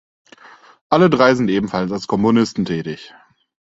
Alle drei sind ebenfalls als Komponisten tätig.